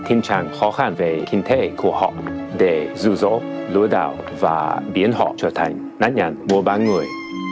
tình trạng khó khăn về kinh tế của họ để dù dỗ lừa đảo và biến họ trở thành nạn nhạc mùa bán người